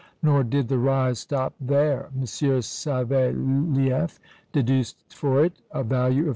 Nor did the rise stop there. M. Savélieff deduced for it a value of 3.